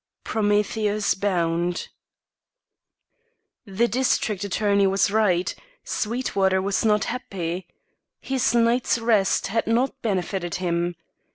Prometheus Bound. The district attorney was right; Sweetwater was not happy. His night's rest had not benefited him.